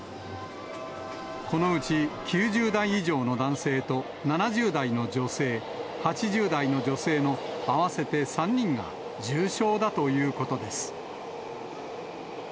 このうち９０代以上の男性と７０代の女性、８０代の女性の合わせて３人が重症だということです。